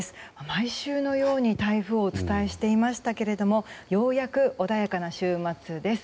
毎週のように台風をお伝えしていましたがようやく穏やかな週末です。